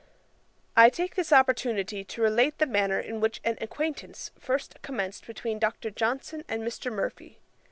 I take this opportunity to relate the manner in which an acquaintance first commenced between Dr. Johnson and Mr. Murphy.